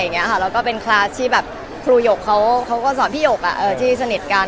แล้วก็เป็นคลาสที่แบบครูหยกเขาก็สอนพี่หยกที่สนิทกัน